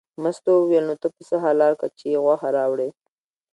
مستو وویل نو ته پسه حلال که چې یې غوښه راوړې.